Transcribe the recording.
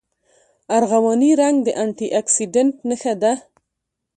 ارغواني رنګ د انټي اکسیډنټ نښه ده.